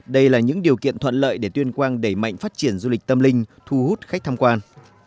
đây là những điều kiện thuận lợi để tuyên quang đẩy mạnh phát triển du lịch tâm linh thu hút khách tham quan